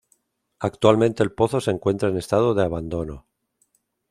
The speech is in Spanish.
Actualmente el pozo se encuentra en estado de abandono.